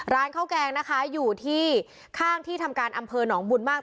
ร้านข้าวแกงนะคะอยู่ที่ข้างที่ทำการอำเภอหนองบุญมาก